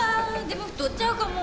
でも太っちゃうかも。